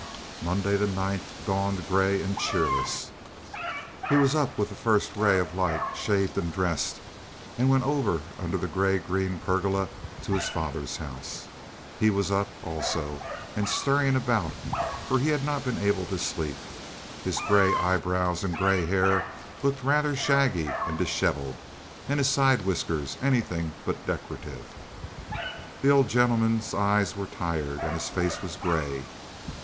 Monday, the ninth, dawned gray and cheerless. He was up with the first ray of light, shaved and dressed, and went over, under the gray green pergola, to his father's house. He was up, also, and stirring about, for he had not been able to sleep. His gray eyebrows and gray hair looked rather shaggy and disheveled, and his side whiskers anything but decorative. The old gentleman's eyes were tired, and his face was gray.